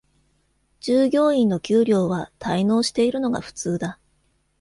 従業員の給料は滞納しているのが普通だ。